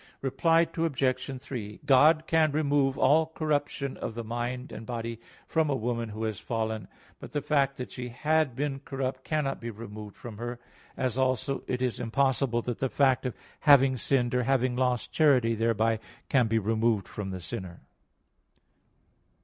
Reply Obj. 3: God can remove all corruption of the mind and body from a woman who has fallen; but the fact that she had been corrupt cannot be removed from her; as also is it impossible that the fact of having sinned or having lost charity thereby can be removed from the sinner.